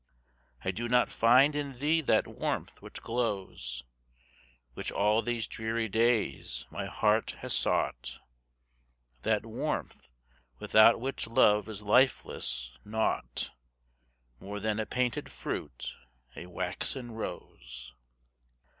I do not find in thee that warmth which glows, Which, all these dreary days, my heart has sought, That warmth without which love is lifeless, naught More than a painted fruit, a waxen rose.